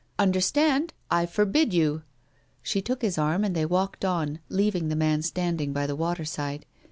" Understand — I forbid you." She took his arm and they walked on, leaving the man standing by the water side.